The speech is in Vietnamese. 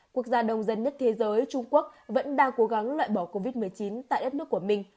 quốc gia đông dân nhất thế giới trung quốc vẫn đang cố gắng loại bỏ covid một mươi chín tại đất nước của mình